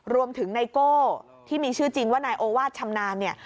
ไนโก้ที่มีชื่อจริงว่านายโอวาสชำนาญเนี่ย